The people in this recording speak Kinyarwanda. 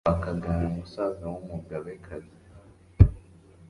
ni bwo Rwakagara musaza w' umugabekazi